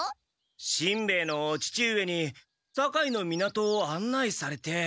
しんべヱの父上に堺の港を案内されて。